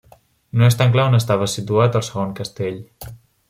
No és tan clar on estava situat el segon castell.